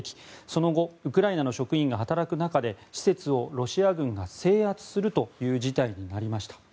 その後、ウクライナの職員が働く中で施設をロシア軍が制圧するという事態になりました。